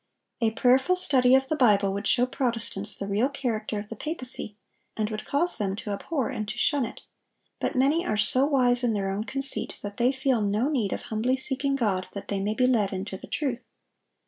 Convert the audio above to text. A prayerful study of the Bible would show Protestants the real character of the papacy, and would cause them to abhor and to shun it; but many are so wise in their own conceit that they feel no need of humbly seeking God that they may be led into the truth.